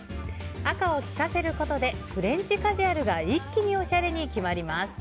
赤を利かせることでフレンチカジュアルが一気におしゃれに決まります。